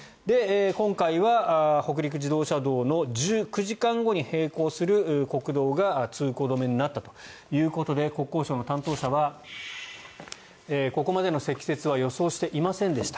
今回は北陸自動車道の１９時間後に並行する国道が通行止めになったということで国交省の担当者はここまでの積雪は予想していませんでした。